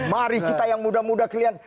mari kita yang muda muda kalian